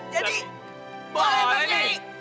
jadi boleh pak kiai